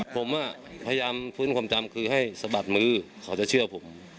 ผมพยายามฟื้นความจำคือให้สะบัดมือเขาจะเชื่อผม